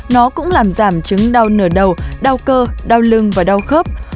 nó cũng làm giảm chứng đau nửa đầu đau cơ đau lưng và đau khớp